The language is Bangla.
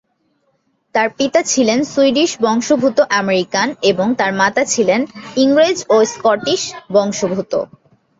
তাঁর পিতা ছিলেন সুইডিশ বংশোদ্ভূত আমেরিকান এবং তাঁর মাতা ছিলেন ইংরেজ ও স্কটিশ বংশোদ্ভূত।